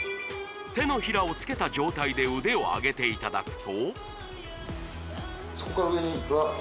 手のひらを付けた状態で腕をあげていただくとそこから上には？